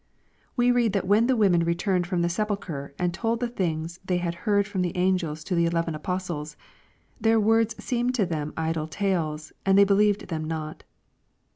We read that when the women returned from the sepulchre and told the things they had heard from the angels to the eleven apostles, " their words seemed to them idle tales, and they believed them not."